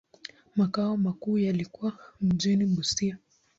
Makao makuu yalikuwa mjini Busia.